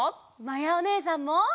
まやおねえさんも！